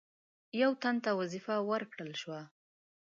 یو تن ته وظیفه ورکړه شوه.